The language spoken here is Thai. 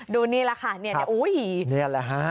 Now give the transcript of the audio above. ดูนี่แหละค่ะนี่แหละฮะ